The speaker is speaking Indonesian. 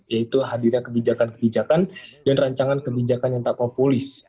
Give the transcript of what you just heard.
yaitu hadirnya kebijakan kebijakan dan rancangan kebijakan yang tak populis